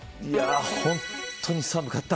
本当に寒かった。